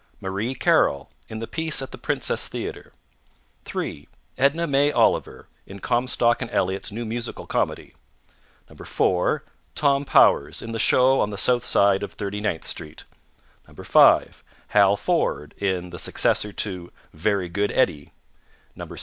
Marie Carroll, in the piece at the Princess Theatre. 3. Edna May Oliver, in Comstock and Elliott's new musical comedy. 4. Tom Powers, in the show on the south side of 39th Street. 5. Hal Forde, in the successor to Very Good, Eddie.